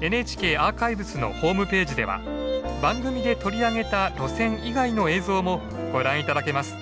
ＮＨＫアーカイブスのホームページでは番組で取り上げた路線以外の映像もご覧頂けます。